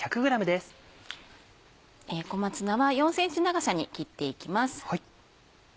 小松菜は４ｃｍ長さに切っていきます。